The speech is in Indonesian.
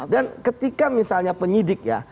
dan ketika misalnya penyidik ya